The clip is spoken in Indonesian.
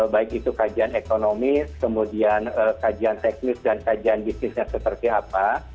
baik itu kajian ekonomi kemudian kajian teknis dan kajian bisnisnya seperti apa